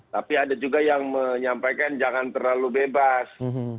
tapi ada juga yang menyampaikan jangan terlalu bebas